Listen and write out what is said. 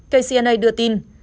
kcna đưa tin